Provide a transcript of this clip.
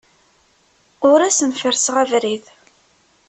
Ur asen-ferrseɣ abrid.